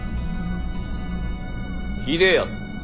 秀康。